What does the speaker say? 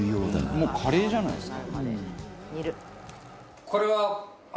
「もうカレーじゃないですか？」